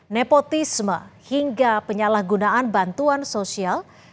nepotisme hingga penyalahgunaan bantuan sosial